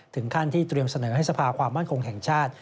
ถึงขั้นที่เตรียมเสนอให้สภาความมั่นคงแห่งชาติ